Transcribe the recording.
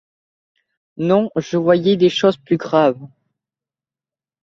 Non, je voyais des choses plus graves.